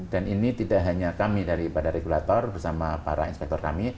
dan ini tidak hanya kami dari pada regulator bersama para inspektor kami